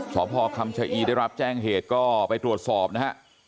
สพคำชะอีได้รับแจ้งเหตุก็ไปตรวจสอบนะฮะ